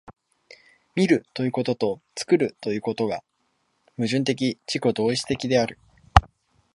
見るということと作るということとが矛盾的自己同一的である。